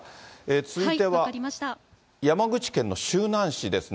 続いては、山口県の周南市ですね。